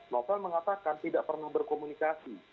novel mengatakan tidak pernah berkomunikasi